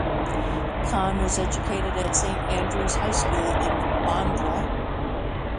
Khan was educated at St.Andrew's High School, in Bandra.